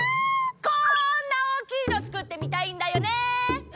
こんな大きいのつくってみたいんだよね！